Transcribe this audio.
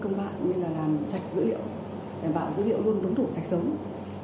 như là làm sạch dữ liệu đảm bảo dữ liệu luôn đúng thủ sạch sớm